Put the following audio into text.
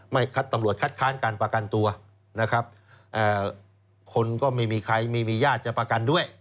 ตำรวจคัดค้านการประกันตัวนะครับคนก็ไม่มีใครไม่มีญาติจะประกันด้วย